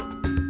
panjang tiga cm